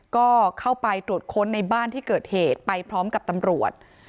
ก็เข้าไปตรวจค้นในบ้านที่เกิดเหตุไปพร้อมกับตำรวจ